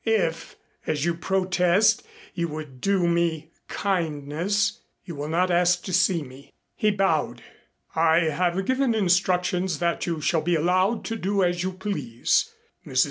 If, as you protest, you would do me kindness, you will not ask to see me." He bowed. "I have given instructions that you shall be allowed to do as you please. Mrs.